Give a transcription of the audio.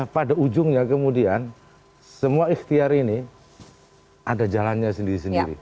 pada ujungnya kemudian semua ikhtiar ini ada jalannya sendiri sendiri